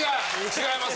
違います？